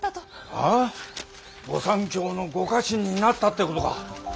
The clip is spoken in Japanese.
はぁ御三卿のご家臣になったってことか！